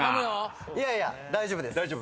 いやいや大丈夫です。